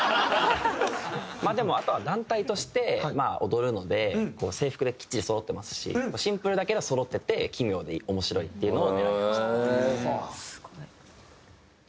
でもあとは団体として踊るので制服できっちりそろってますしシンプルだけどそろってて奇妙で面白いっていうのを狙いました。